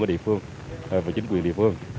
ở địa phương và chính quyền địa phương